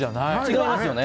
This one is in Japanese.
違いますよね。